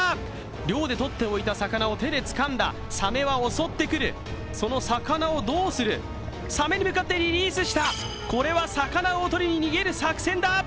漁でとっておいた魚を手でつかんだ、その魚をどうする、サメに向かってリリースした、これは魚をおとりに逃げる作戦だ。